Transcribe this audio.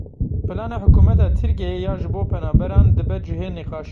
Plana hikûmeta Tirkiyeyê ya ji bo penaberan dibe cihê nîqaşê.